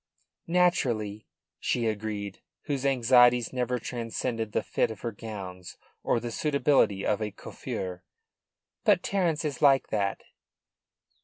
"Naturally," she agreed, whose anxieties never transcended the fit of her gowns or the suitability of a coiffure. "But Terence is like that."